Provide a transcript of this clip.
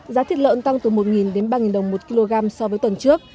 giá thịt lợn tăng từ một đến ba đồng một kg so với tuần trước